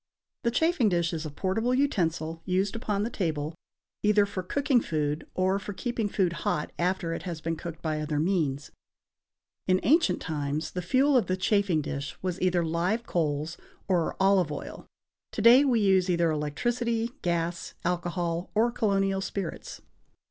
The chafing dish is a portable utensil used upon the table, either for cooking food or for keeping food hot after it has been cooked by other means. In ancient times, the fuel of the chafing dish was either live coals or olive oil; to day we use either electricity, gas, alcohol or colonial spirits.